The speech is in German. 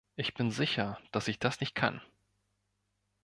Ich bin sicher, dass ich das nicht kann!